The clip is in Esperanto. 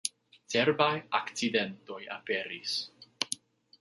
Cerbaj akcidentoj aperis.